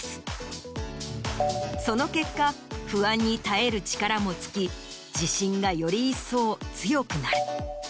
その結果不安に耐える力も付き自信がより一層強くなる。